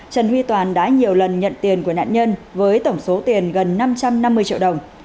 trần huy toàn đã nhiều lần nhận tiền của nạn nhân với tổng số tiền gần năm trăm năm mươi triệu đồng